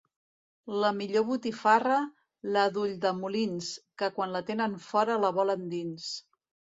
La millor botifarra, la d'Ulldemolins, que quan la tenen fora la volen dins.